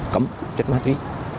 cấm chất ma túy